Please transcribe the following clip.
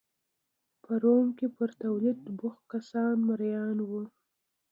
په روم کې پر تولید بوخت کسان مریان وو